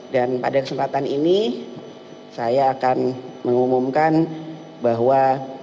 dan pada kesempatan ini saya akan mengumumkan bahwa